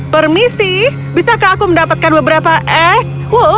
permisi bisakah aku mendapatkan beberapa es